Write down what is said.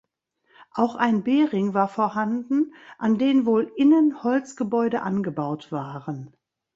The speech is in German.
Auch ein Bering war vorhanden, an den wohl innen Holzgebäude angebaut waren.